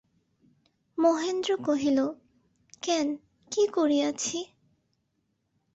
মহেন্দ্র কহিল, কেন, কী করিয়াছি।